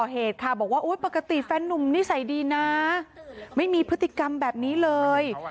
หนุ่มนิสัยดีนะไม่มีพฤติกรรมแบบนี้เลย